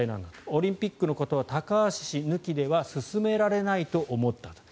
オリンピックのことは高橋氏抜きでは進められないと思ったと。